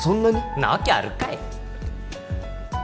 なわけあるかい！